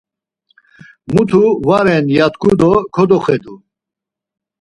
Mutu va ren ya tku do kodoxedu.